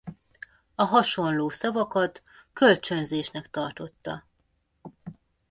A hasonló szavakat kölcsönzésnek tartotta.